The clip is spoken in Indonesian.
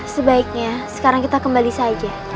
sebaiknya sekarang kita kembali saja